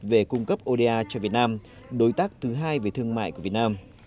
về cung cấp oda cho việt nam đối tác thứ hai về thương mại của việt nam